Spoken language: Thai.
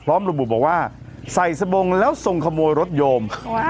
ระบุบอกว่าใส่สบงแล้วทรงขโมยรถโยม